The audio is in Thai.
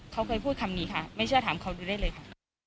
เขาเคยพูดคำนี้ค่ะไม่เชื่อถามเขาดูได้เลยค่ะ